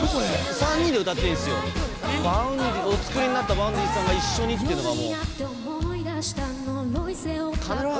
３人で歌ってるんだけどお作りになったＶａｕｎｄｙさんが一緒っていうのがね。